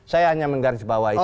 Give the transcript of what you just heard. saya hanya menggaris bawah itu